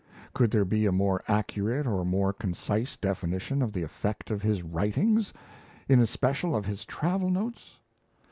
Could there be a more accurate or more concise definition of the effect of his writings, in especial of his travel notes?